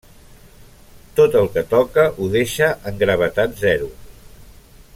Tot el que toca ho deixa en gravetat zero.